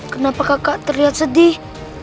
kenapa kakak terlihat sedih